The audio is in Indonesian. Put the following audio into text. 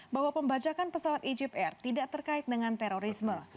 bahwa pembajakan pesawat egypt air tidak terkait dengan terorisme